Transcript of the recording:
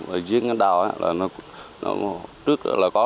ở giếng đào trước là có